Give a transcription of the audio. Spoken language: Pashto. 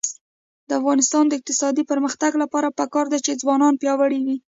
د افغانستان د اقتصادي پرمختګ لپاره پکار ده چې ځوانان پیاوړي وي.